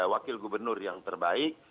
wakil gubernur yang terbaik